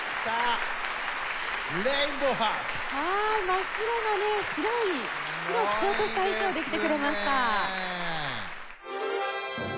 真っ白なね白い白を基調とした衣装で来てくれました。